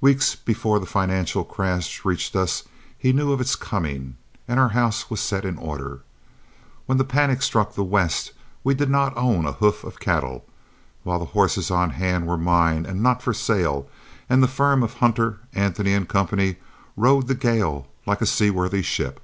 Weeks before the financial crash reached us he knew of its coming, and our house was set in order. When the panic struck the West we did not own a hoof of cattle, while the horses on hand were mine and not for sale; and the firm of Hunter, Anthony & Co. rode the gale like a seaworthy ship.